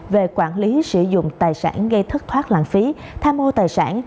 về quản lý sử dụng tài sản gây thất thoát lãng phí tham ô tài sản